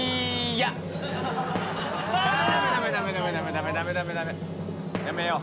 やめよう。